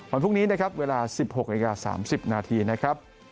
วันพรุ่งนี้นะครับเวลา๑๖นาที๓๐นาทีนะครับ